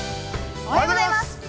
◆おはようございます。